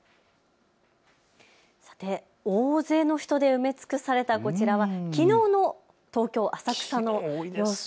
さて、大勢の人で埋め尽くされたこちらはきのうの東京浅草の様子。